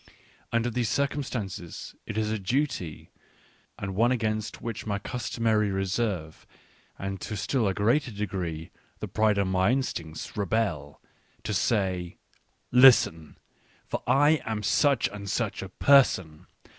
... Under these circumstances, it is a duty — and one against which my customary reserve, and to a still greater degree the pride of my instincts, rebel — to say : Listen ! for I am such and such a person.